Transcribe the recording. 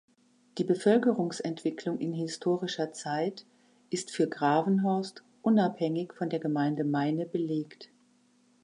Die Bevölkerungsentwicklung in historischer Zeit ist für Gravenhorst unabhängig von der Gemeinde Meine belegt.